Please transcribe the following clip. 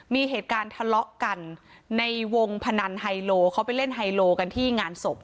มีเหตุการณ์ทะเลาะกันในวงพนันไฮโลเขาไปเล่นไฮโลกันที่งานศพ